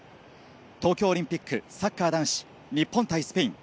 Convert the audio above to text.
東京オリンピック、サッカー男子、日本対スペイン。